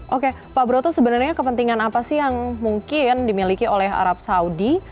oke pak broto sebenarnya kepentingan apa sih yang mungkin dimiliki oleh arab saudi